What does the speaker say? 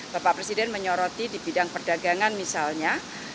bapak presiden menyoroti di bidang perdagangan misalnya